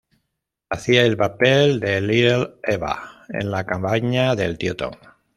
Hacía el papel de "Little Eva" en "La cabaña del tío Tom".